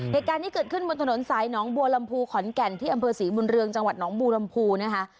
เหตุการณ์นี้เกิดขึ้นบนถนนสายหนองบัวลำพูขอนแก่นที่อำเภอศรีบุญเรืองจังหวัดหนองบูรมภูนะคะ